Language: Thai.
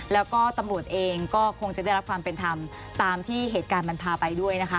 แล้วก็ตำรวจเองก็คงจะได้รับความเป็นธรรมตามที่เหตุการณ์มันพาไปด้วยนะคะ